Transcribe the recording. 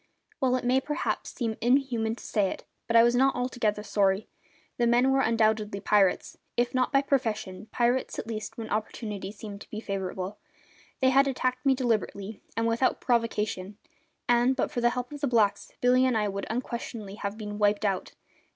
Well, it may perhaps seem inhuman to say it, but I was not altogether sorry. The men were undoubtedly pirates, if not by profession, pirates at least when opportunity seemed to be favourable. They had attacked me deliberately and without provocation, and, but for the help of the blacks, Billy and I would unquestionably have been "wiped out".